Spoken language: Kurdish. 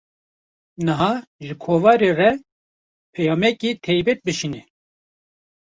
Niha, ji kovarê re peyameke taybet bişîne